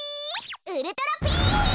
ウルトラピース！